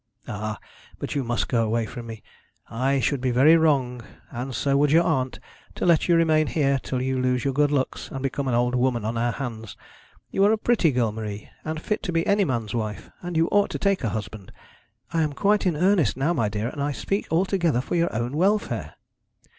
'Ah, but you must go away from me. I should be very wrong, and so would your aunt, to let you remain here till you lose your good looks, and become an old woman on our hands. You are a pretty girl, Marie, and fit to be any man's wife, and you ought to take a husband. I am quite in earnest now, my dear; and I speak altogether for your own welfare.'